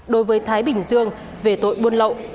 đối với thái bình dương về tội buôn lậu